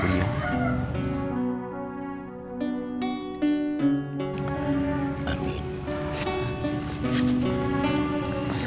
tapi semuanya ini yang pana buna